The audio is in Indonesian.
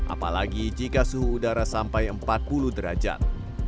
apalagi jika suhu udara sampai empat puluh derajat